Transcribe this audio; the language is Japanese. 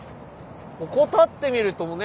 ここ立ってみるとね